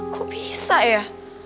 kok bisa ya